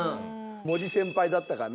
森先輩だったかな？